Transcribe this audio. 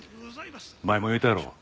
前も言うたやろ。